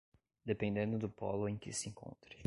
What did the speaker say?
dependendo do polo em que se encontre.